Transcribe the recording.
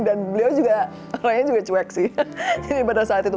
dan beliau juga orangnya juga cuek sih jadi pada saat itu